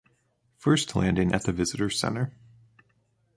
First landing at the visitor center